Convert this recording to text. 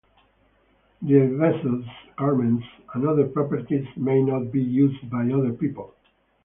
Their vessels, garments, and other properties may not be used by other people.